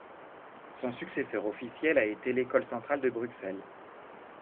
Son successeur officiel a été l'École centrale de Bruxelles.